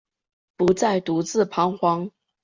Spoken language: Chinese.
不再独自徬惶